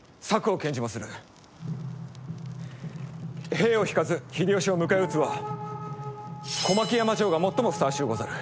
兵を引かず秀吉を迎え討つは小牧山城が最もふさわしゅうござる。